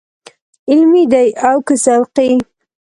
علمي دی او که ذوقي.